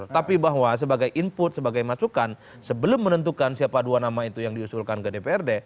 tapi bahwa sebagai input sebagai masukan sebelum menentukan siapa dua nama itu yang diusulkan ke dprd